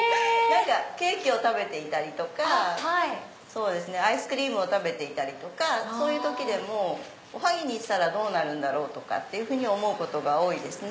ケーキを食べていたりとかアイスクリームを食べていたりそういう時でもおはぎにしたらどうなるんだろう？とかって思うことが多いですね。